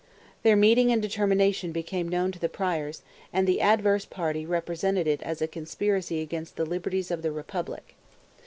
Their meeting and determination became known to the Priors, and the adverse party represented it as a conspiracy against the liberties of the republic.